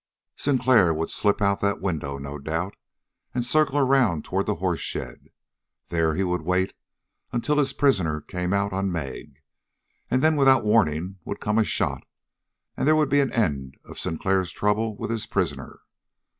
Sinclair would slip out that window, no doubt, and circle around toward the horse shed. There he would wait until his prisoner came out on Meg, and then without warning would come a shot, and there would be an end of Sinclair's trouble with his prisoner.